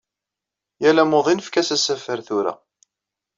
Yal amuḍin efk-as asafar tura.